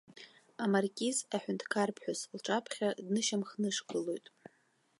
Амаркиз аҳәынҭқарԥҳәыс лҿаԥхьа днышьамхнышгылоит.